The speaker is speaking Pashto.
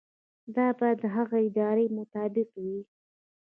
دا باید د هغه د ارادې مطابق وي.